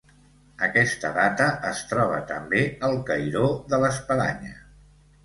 Aquesta data es troba també al cairó de l'espadanya.